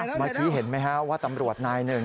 เมื่อกี้เห็นไหมฮะว่าตำรวจนายหนึ่ง